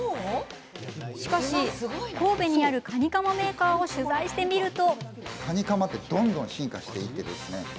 しかし、神戸にあるカニカマメーカーを取材してみると。